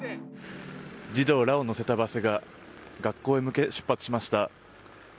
児童らを乗せたバスが学校へ向け、出発しました。